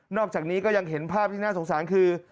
อกจากนี้ก็ยังเห็นภาพที่น่าสงสารคือ